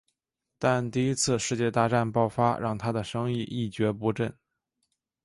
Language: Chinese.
但第一次世界大战爆发让他的生意一蹶不振。